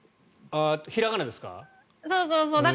平仮名ですか？